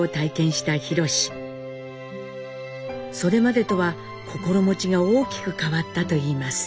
それまでとは心持ちが大きく変わったと言います。